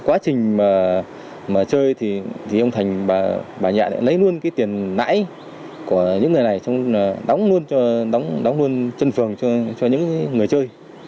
quá trình chơi ông thành và nhẹ lấy luôn tiền lãi của những người này đóng luôn chân phường cho những người chơi